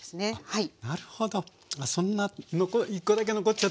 はい。